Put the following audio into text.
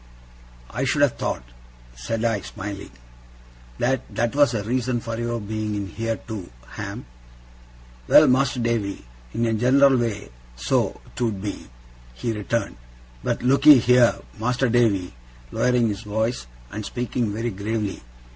'I should have thought,' said I, smiling, 'that that was a reason for your being in here too, Ham.' 'Well, Mas'r Davy, in a general way, so 't would be,' he returned; 'but look'ee here, Mas'r Davy,' lowering his voice, and speaking very gravely.